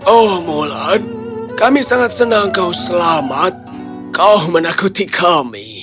oh mulan kami sangat senang kau selamat kau menakuti kami